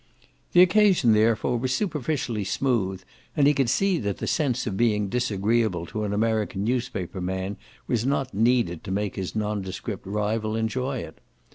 The occasion therefore was superficially smooth, and he could see that the sense of being disagreeable to an American newspaper man was not needed to make his nondescript rival enjoy it.